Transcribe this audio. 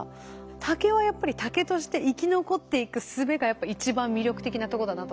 竹はやっぱり竹として生き残っていくすべがやっぱ一番魅力的なとこだなと思いました。